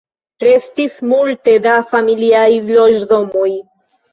Restis multe da familiaj loĝdomoj.